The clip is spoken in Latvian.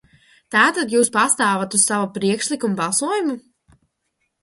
Tātad jūs pastāvat uz sava priekšlikuma balsojumu?